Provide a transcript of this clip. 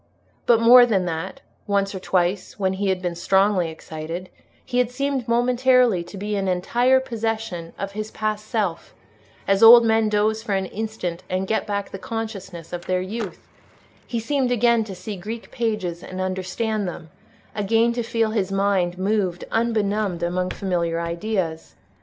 But more than that—once or twice, when he had been strongly excited, he had seemed momentarily to be in entire possession of his past self, as old men doze for an instant and get back the consciousness of their youth: he seemed again to see Greek pages and understand them, again to feel his mind moving unbenumbed among familiar ideas.